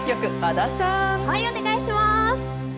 お願いします。